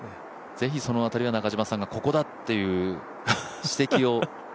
ぜひその辺りは中嶋さんがここだ！という指摘を。